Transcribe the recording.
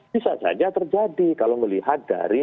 bisa saja terjadi kalau melihat dari